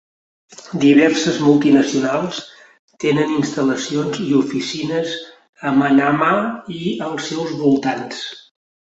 Diverses multinacionals tenen instal·lacions i oficines a Manama i els seus voltants.